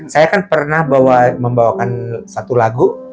saya kan pernah membawakan satu lagu